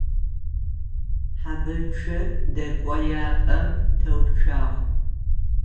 Хьэбыцу дэкӏояпӏэм теуцуагъ.